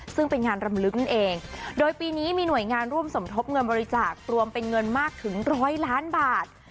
ซึ่งเป็นงานรำลึกนั่นเองโดยปีนี้มีหน่วยงานร่วมสมทบเงินบริจาครวมเป็นเงินมากถึงร้อยล้านบาท